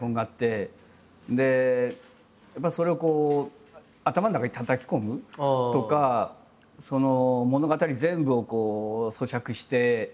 やっぱそれをこう頭の中にたたき込むとか物語全部を咀嚼して。